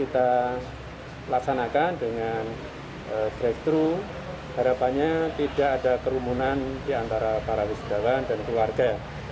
kita laksanakan dengan drive thru harapannya tidak ada kerumunan di antara para wisatawan dan keluarga